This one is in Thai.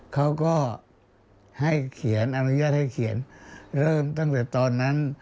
เขาก็ให้เขียนอนุญาตให้เขียนเริ่มตั้งแต่ตอนนั้น